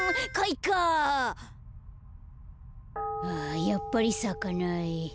あやっぱりさかない。